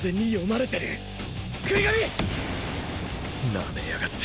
なめやがって。